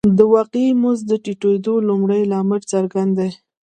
د واقعي مزد د ټیټېدو لومړنی لامل څرګند دی